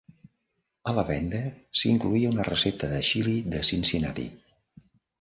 A la venda s'incloïa una recepta de xili de Cincinnati.